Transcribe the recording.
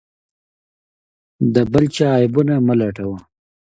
د بل چا عیبونه مه لټوه.